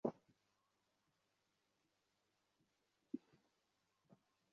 আহা, হাতের অক্ষরের মতো জিনিস আর আছে?